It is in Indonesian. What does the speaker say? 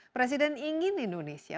presiden ingin indonesia